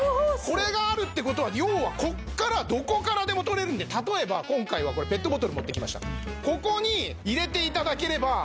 これがあるって事は要はここからどこからでも取れるんで例えば今回はここに入れて頂ければ。